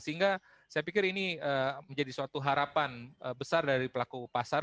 sehingga saya pikir ini menjadi suatu harapan besar dari pelaku pasar